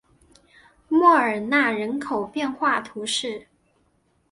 莫尔纳人口变化图示